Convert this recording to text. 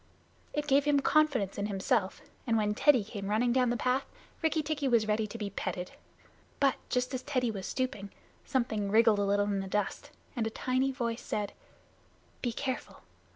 It gave him confidence in himself, and when Teddy came running down the path, Rikki tikki was ready to be petted. But just as Teddy was stooping, something wriggled a little in the dust, and a tiny voice said: "Be careful.